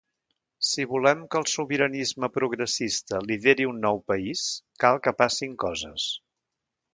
Si volem que el sobiranisme progressista lideri un nou país cal que passin coses.